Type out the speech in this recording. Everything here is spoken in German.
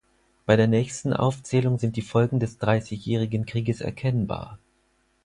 Bei der nächsten Aufzählung sind die Folgen des Dreißigjährigen Krieges erkennbar.